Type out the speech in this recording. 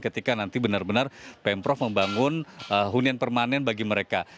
ketika nanti benar benar pemprov membangun hunian permanen bagi mereka